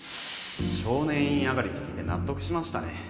少年院上がりって聞いて納得しましたね